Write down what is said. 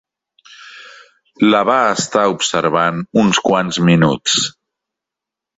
La va estar observant uns quants minuts.